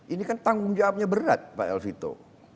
ini kan tanggung jawabnya berat pak al sito